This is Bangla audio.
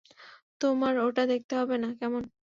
তোমার ওটা দেখতে হবে না, কেমন?